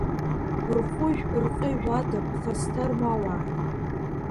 Рхәыжә-рҟьыжә ада ԥхасҭа рмауааит!